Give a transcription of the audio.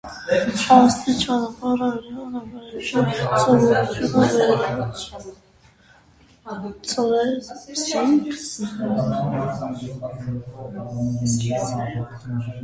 Աստիճանաբար արյան վրեժի սովորույթը վերածվեց իրավական նորմի։